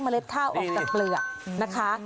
เล็ดข้าวออกจากเปลือกนะคะ